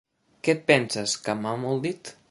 Què et penses, que em mamo el dit?